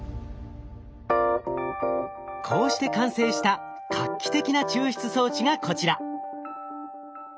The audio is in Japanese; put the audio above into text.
こうして完成した画期的な抽出装置がこちら。